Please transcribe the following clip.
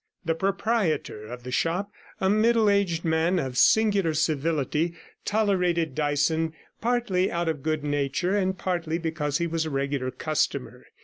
The proprietor of the shop, a middle aged man of singular civility, tolerated Dyson partly out of good nature, and partly because he was a regular customer.